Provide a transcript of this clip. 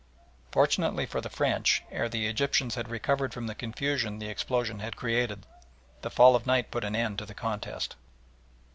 Fortunately for the French, ere the Egyptians had recovered from the confusion the explosion had created the fall of night put an end to the contest.